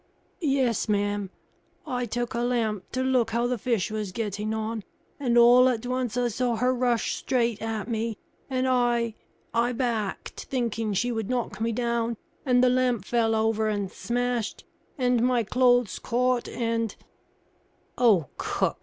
"Yes, ma'am. I took a lamp to look how the fish was getting on, and all at once I saw her rush straight at me, and I I backed, thinking she would knock me down, and the lamp fell over and smashed, and my clothes caught, and " "Oh, cook!